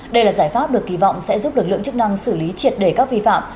đây là giải pháp được kỳ vọng sẽ giúp lực lượng chức năng xử lý triệt đề các vi phạm